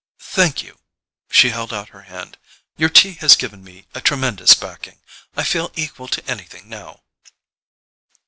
"Thank you." She held out her hand. "Your tea has given me a tremendous backing. I feel equal to anything now."